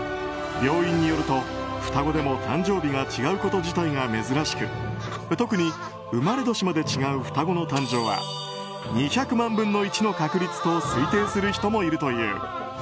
病院によると、双子でも誕生日が違うこと自体が珍しく特に生まれ年まで違う双子の誕生は２００万分の１の確率と推定する人もいるという。